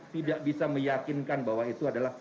tidak bisa meyakinkan bahwa itu adalah